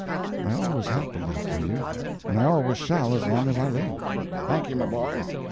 "I always have believed in you; and I always shall as long as I live." "Thank you, my boy.